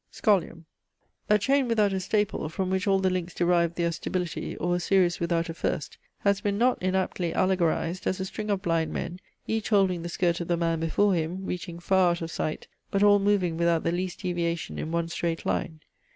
SCHOLIUM. A chain without a staple, from which all the links derived their stability, or a series without a first, has been not inaptly allegorized, as a string of blind men, each holding the skirt of the man before him, reaching far out of sight, but all moving without the least deviation in one straight line.